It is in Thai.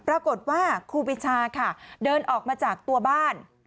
ปรากฏว่าครูปิชาค่ะเดินออกมาจากตัวบ้าน